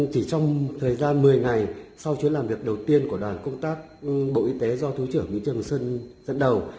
chỉ trong thời gian một mươi ngày sau chuyến làm việc đầu tiên của đoàn công tác bộ y tế do thứ trưởng nguyễn trường sơn dẫn đầu